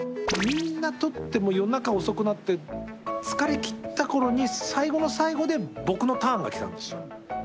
みんな撮ってもう夜中遅くなって疲れ切った頃に最後の最後で僕のターンが来たんですよ。